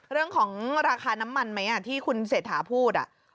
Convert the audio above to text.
เรื่องของราคาน้ำมันไหมที่คุณเศรษฐาพูด